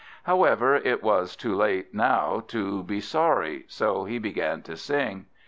However, it was too late now to be sorry, so he began to sing.